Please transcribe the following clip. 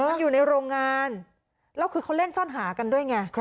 มันอยู่ในโรงงานแล้วคือเขาเล่นซ่อนหากันด้วยไง